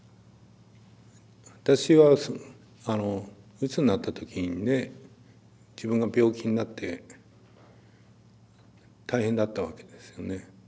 私はあのうつになった時にね自分が病気になって大変だったわけですよね。